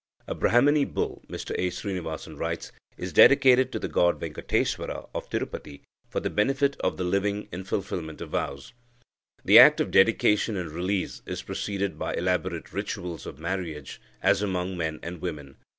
"A Brahmini bull," Mr A. Srinivasan writes, "is dedicated to the god Venkateswara of Tirupati, for the benefit of the living in fulfilment of vows. The act of dedication and release is preceded by elaborate rituals of marriage, as among men and women.